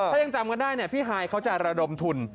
ถ้ายังจำกันได้เนี่ยพี่ฮายเขาจะระดมทุน